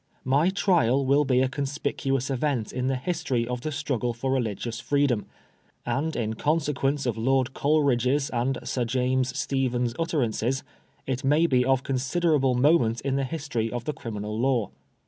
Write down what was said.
My trial will be a conspicuous event in the history of the struggle for religious freedom, and in consequence of Lord Cole ridge^s and Sir James Stephen's utterances, it may be of considerable moment in the history of the Criminal Law.